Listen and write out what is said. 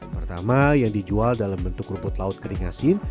pertama yang dijual dalam bentuk rumput laut kering asin